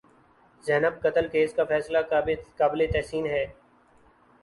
زینب قتل کیس کا فیصلہ قابل تحسین ہے